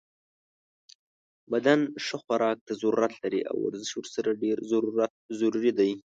بدن ښه خوراک ته ضرورت لری او ورزش ورسره ډیر ضروری ده